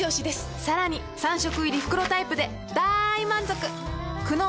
さらに３食入り袋タイプでだーい満足！